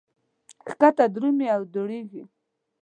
ښکته درومي او دوړېږي.